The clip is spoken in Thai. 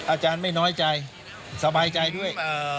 อาจารย์ไม่น้อยใจสบายใจด้วย